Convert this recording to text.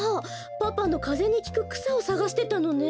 パパのかぜにきくくさをさがしてたのね。